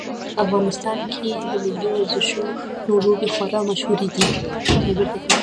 افغانستان کې د ملي ورزشونو لوبې خورا مشهورې دي